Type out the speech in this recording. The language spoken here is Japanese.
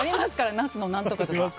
ナスの何とかとか。